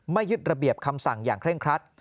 ยึดระเบียบคำสั่งอย่างเคร่งครัด